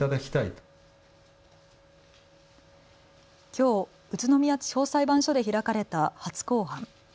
きょう宇都宮地方裁判所で開かれた初公判。